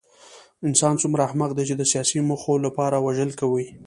انسان څومره احمق دی چې د سیاسي موخو لپاره وژل کوي